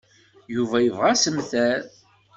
Yuba yebɣa assemter.